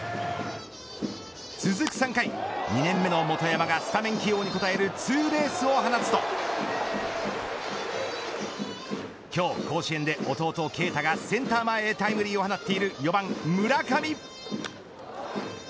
続く３回２年目の元山がスタメン起用に応えるツーベースを放つと今日、甲子園で弟、慶太がセンター前タイムリーを放っている４番、村上。